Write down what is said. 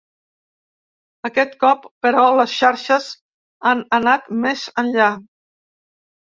Aquest cop, però, les xarxes han anat més enllà.